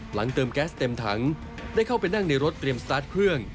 เติมแก๊สเต็มถังได้เข้าไปนั่งในรถเตรียมสตาร์ทเครื่อง